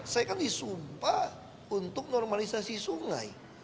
saya kan disumpah untuk normalisasi sungai